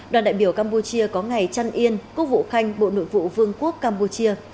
đoàn đại biểu campuchia có ngày chăn yên quốc vụ khanh bộ nội vụ vương quốc campuchia